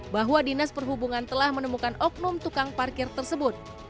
bahwa dinas perhubungan telah menemukan oknum tukang parkir tersebut